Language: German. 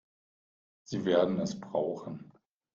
Sie werden es brauchen.